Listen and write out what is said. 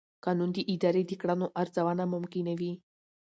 قانون د ادارې د کړنو ارزونه ممکنوي.